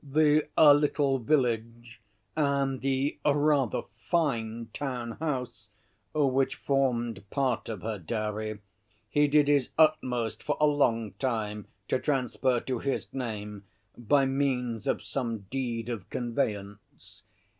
The little village and the rather fine town house which formed part of her dowry he did his utmost for a long time to transfer to his name, by means of some deed of conveyance.